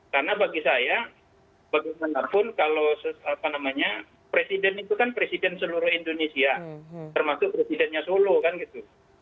karena bagi saya bagaimanapun kalau apa namanya presiden itu kan presiden seluruh indonesia termasuk presidennya solo kan gitu